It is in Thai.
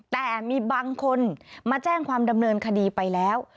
แต่มีบางคนมาแจ้งความดำเนินคดีไปแล้ว